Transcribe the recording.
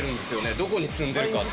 どこに積んでるかって。